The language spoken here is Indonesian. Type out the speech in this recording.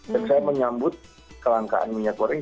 dan saya menyambut kelangkaan minyak goreng